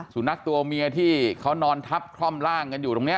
สุนัขตัวเมียที่เขานอนทับคล่อมร่างกันอยู่ตรงนี้